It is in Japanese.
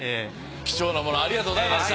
貴重なものありがとうございました。